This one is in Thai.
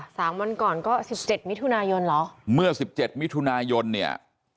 สามวันก่อนก็สิบเจ็ดมิถุนายนเหรอเมื่อสิบเจ็ดมิถุนายนเนี่ย